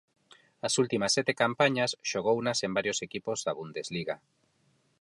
As últimas sete campañas xogounas en varios equipos da Bundesliga.